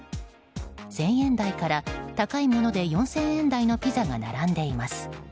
１０００円台から高いもので４０００円台のピザが並んでいます。